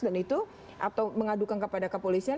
dan itu atau mengadukan kepada kepolisian